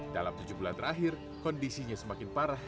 dalam tujuh bulan terakhir kondisinya semakin parah